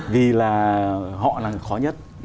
vì là họ là người khó nhất